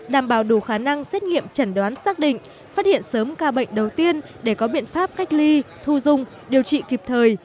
đảm bảo đủ khả năng xét nghiệm chẩn đoán xác định phát hiện sớm ca bệnh đầu tiên để có biện pháp cách ly thu dung điều trị kịp thời